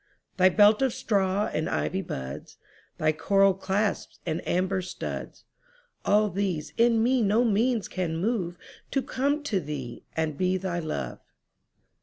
Thy belt of straw and ivy buds, Thy coral clasps and amber studs,—All these in me no means can moveTo come to thee and be thy Love.